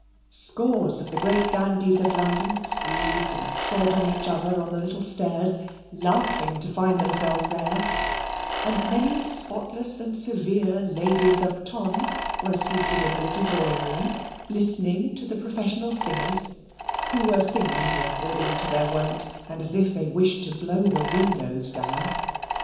Scores of the great dandies of London squeezed and trod on each other on the little stairs, laughing to find themselves there; and many spotless and severe ladies of ton were seated in the little drawing room, listening to the professional singers, who were singing according to their wont, and as if they wished to blow the windows down.